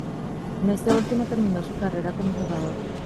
En este último terminó su carrera como jugador.